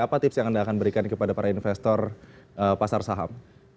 apa tips yang anda akan berikan kepada para investor pasar saham